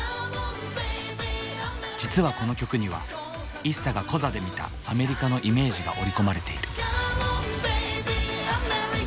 実はこの曲にはＩＳＳＡがコザで見たアメリカのイメージが折り込まれている。